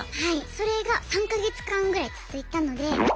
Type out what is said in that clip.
それが３か月間ぐらい続いたので。